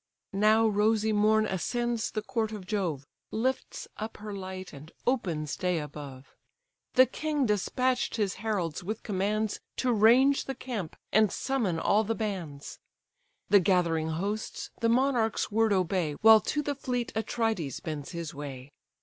Now rosy Morn ascends the court of Jove, Lifts up her light, and opens day above. The king despatch'd his heralds with commands To range the camp and summon all the bands: The gathering hosts the monarch's word obey; While to the fleet Atrides bends his way.